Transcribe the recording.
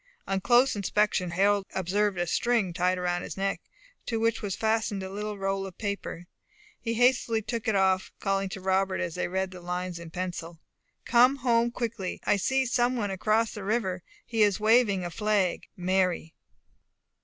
On close inspection, Harold observed a string tied round his neck, to which was fastened a little roll of paper. He hastily took it off, and calling to Robert, they read these lines in pencil: "Come home quickly. I see some one across the river; he is waving a flag. Mary."